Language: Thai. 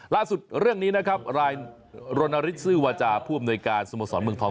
ล่าสุดเรื่องนี้นะครับลายโรนาลิซซึวาจาผู้อำนวยการสมสรรค์เมืองทอง